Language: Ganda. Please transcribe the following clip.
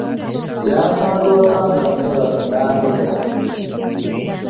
Yansanze waka nga neebase nampita.